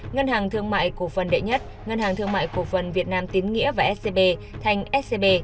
ngân hàng thương mại cổ phần đệ nhất ngân hàng thương mại cổ phần việt nam tín nghĩa và scb thành scb